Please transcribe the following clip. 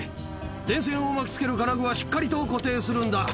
電線を巻きつける金具は、しっかりと固定するんだ。